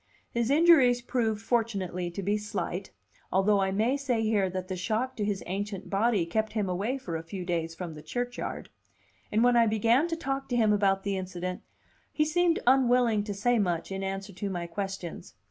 His injuries proved fortunately to be slight (although I may say here that the shock to his ancient body kept him away for a few days from the churchyard), and when I began to talk to him about the incident, he seemed unwilling to say much in answer to my questions.